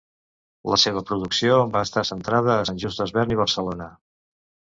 La seva producció va estar centrada a Sant Just Desvern i Barcelona.